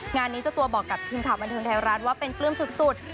งานนี้เจ้าตัวบอกกับทีมข่าวบันเทิงไทยรัฐว่าเป็นปลื้มสุด